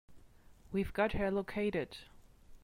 We've got her located.